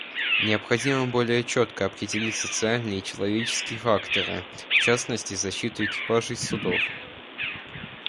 Необходимо более четко определять социальный и человеческий факторы, в частности, защиту экипажей судов.